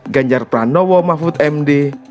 ganjar pranowo mahfud md